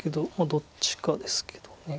どっちかですけど。